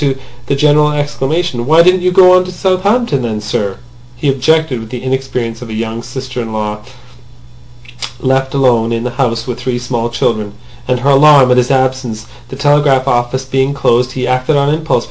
To the general exclamation, "Why didn't you go on to Southampton, then, sir?" he objected the inexperience of a young sister in law left alone in the house with three small children, and her alarm at his absence, the telegraph offices being closed. He had acted on impulse.